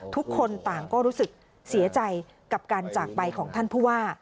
ทุกคนต่างก็รู้สึกเสียใจกับการจากไปของท่านผู้ว่า